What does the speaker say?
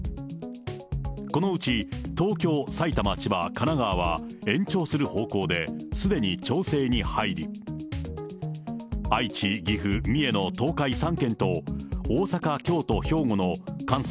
このうち東京、埼玉、千葉、神奈川は延長する方向ですでに調整に入り、愛知、岐阜、三重の東海３県と大阪、京都、兵庫の関西